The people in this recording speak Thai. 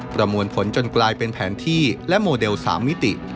ประมวลผลจนกลายเป็นแผนที่และโมเดล๓มิติ